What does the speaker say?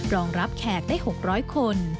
รองรับแขกได้๖๐๐คน